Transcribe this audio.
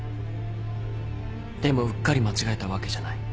でもうっかり間違えたわけじゃない。